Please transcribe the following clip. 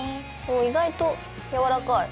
お意外とやわらかい。